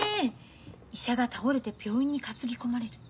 医者が倒れて病院に担ぎ込まれる。